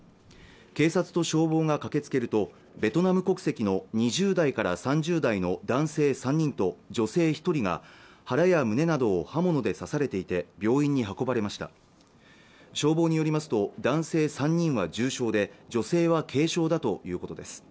警察と消防が駆けつけるとベトナム国籍の２０代から３０代の男性３人と女性１人が腹や胸などを刃物で刺されていて病院に運ばれました消防によりますと男性３人は重傷で女性は軽傷だということです